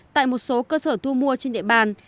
tại một số cơ sở thu mua trên địa bàn